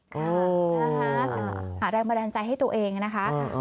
ค่ะนะคะหาแรงบันดาลใจให้ตัวเองนะคะ